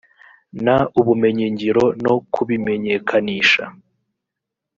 n ubumenyingiro no kubimenyekanisha